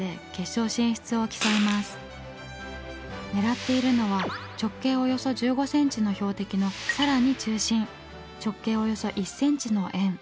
狙っているのは直径およそ１５ｃｍの標的の更に中心直径およそ１ｃｍの円。